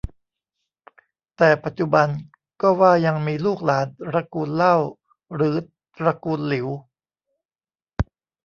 แต่ปัจจุบันก็ว่ายังมีลูกหลานตระกูลเล่า หรือตระกูลหลิว